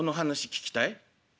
「聞きたい」。